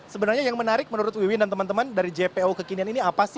sebenarnya yang menarik menurut wiwin dan teman teman dari jpo kekinian ini apa sih